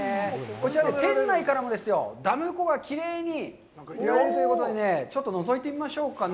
こちらで、店内からもですよ、ダム湖がきれいに見られるということでね、ちょっとのぞいてみましょうかね。